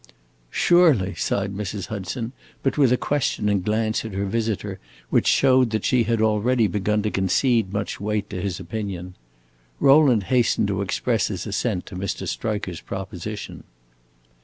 "Surely," sighed Mrs. Hudson, but with a questioning glance at her visitor which showed that she had already begun to concede much weight to his opinion. Rowland hastened to express his assent to Mr. Striker's proposition.